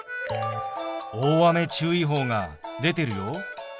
大雨注意報が出てるよ。